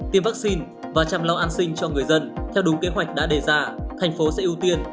tiêm vaccine và chăm lau an sinh cho người dân